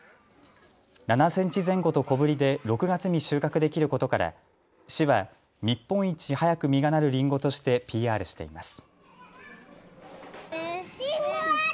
７センチ前後と小ぶりで６月に収穫できることから市は日本一早く実がなるりんごとしてＰＲしています。